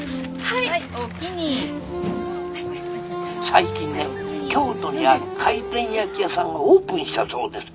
「最近ね京都にある回転焼き屋さんがオープンしたそうです。